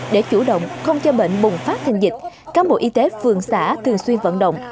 để chủ động không cho bệnh bùng phát thành dịch cán bộ y tế phường xã thường xuyên vận động